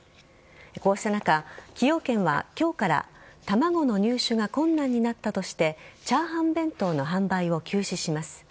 こうした中、崎陽軒は今日から卵の入手が困難になったとして炒飯弁当の販売を休止します。